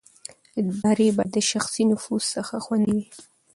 ادارې باید د شخصي نفوذ څخه خوندي وي